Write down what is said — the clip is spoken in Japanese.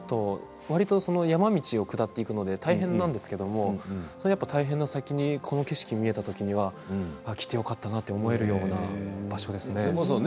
山道を下っていくので大変なんですけれど大変な先にこの景色が見えた時には来てよかったなと思いました。